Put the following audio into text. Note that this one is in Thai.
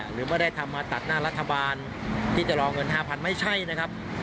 หรือไม่ได้ทำมาตัดหน้ารัฐบาลที่จะรอเงิน๕๐๐ไม่ใช่นะครับ